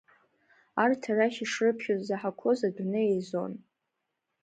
Арҭ арахь ишрыԥхьаз заҳақәаз адәны еизон.